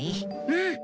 うん。